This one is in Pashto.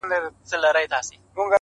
هم ښکاري وو هم ښه پوخ تجریبه کار وو,